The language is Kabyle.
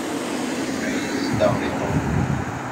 Gma yezdeɣ deg Tokyo.